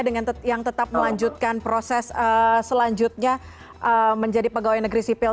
dengan yang tetap melanjutkan proses selanjutnya menjadi pegawai negeri sipil